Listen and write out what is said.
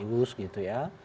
tidak ada celah celah